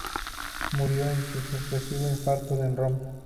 Murió de un sorpresivo infarto en Roma.